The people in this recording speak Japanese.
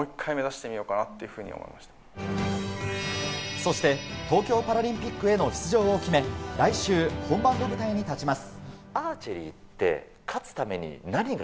そして東京パラリンピックへの出場を決め来週本番の舞台に立ちます。